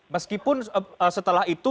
meskipun setelah itu